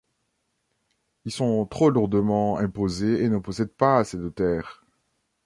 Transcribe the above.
Ils sont trop lourdement imposés et ne possèdent pas assez de terres.